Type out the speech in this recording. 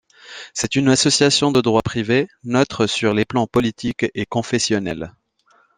C'est une association de droit privé, neutre sur les plans politique et confessionnel.